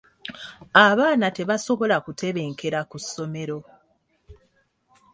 Abaana tebasobola kutebenkera ku ssomero.